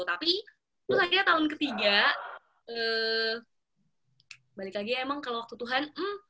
tapi terus akhirnya tahun ketiga balik lagi emang kalau waktu tuhan